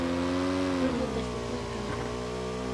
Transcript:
tulluta shuquykan.